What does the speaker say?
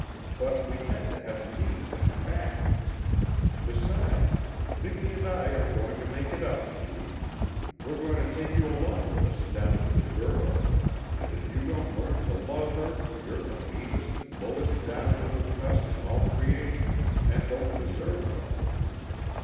But we had to have meat and fat. Besides, Miki and I are going to make it up to you. We're going to take you along with us down to the Girl, and if you don't learn to love her you're the meanest, lowest down little cuss in all creation and don't deserve a mother.